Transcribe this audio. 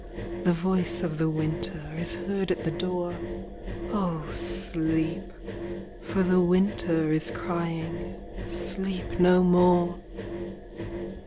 The voice of the winter Is heard at the door. O sleep, for the winter Is crying " Sleep no more.'